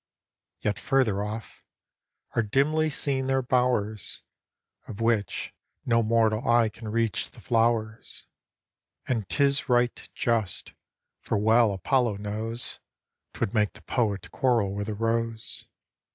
Yet further off, are dimly seen their bowers, Of which, no mortal eye can reach the flowers ; And 'tis right just, for well Apollo knows 'Tvvould make the Poet quarrel with the rose.